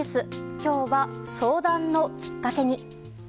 今日は、相談のきっかけに。